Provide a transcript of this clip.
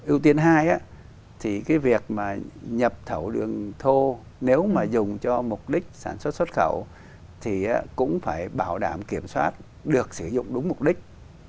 ưu tiên hai thì cái việc mà nhập khẩu đường thô nếu mà dùng cho mục đích sản xuất xuất khẩu thì cũng phải bảo đảm kiểm soát được sử dụng đúng mục đích